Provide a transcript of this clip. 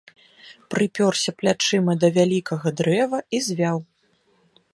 Прыпёрся плячыма да вялікага дрэва і звяў.